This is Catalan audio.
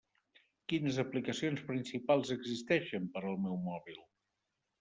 Quines aplicacions principals existeixen per al meu mòbil?